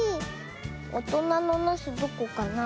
おとなのなすどこかな？